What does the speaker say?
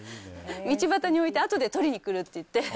道端に置いて、あとで取りに来るって言って。